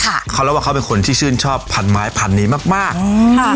ค่ะเขาเล่าว่าเขาเป็นคนที่ชื่นชอบพันไม้พันนี้มากมากอืมค่ะ